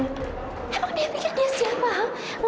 emang dia bisa dia siapa